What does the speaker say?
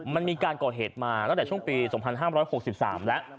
มันมีการก่อเหตุมาตั้งแต่ช่วงปี๒๕๖๓แล้ว